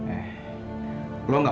eh lo gak usah so tau